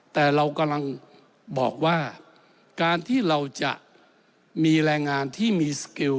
แต่เรากำลังบอกว่าการที่เราจะมีแรงงานที่มีสกิล